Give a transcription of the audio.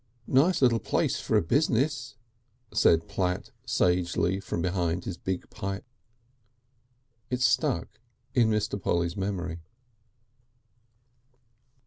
"Nice little place for business," said Platt sagely from behind his big pipe. It stuck in Mr. Polly's memory.